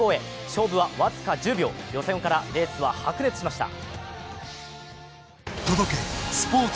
勝負は僅か１０秒予選からレースは白熱しました。